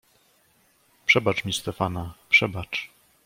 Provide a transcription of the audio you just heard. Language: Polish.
"Przebacz mi Stefana, przebacz!"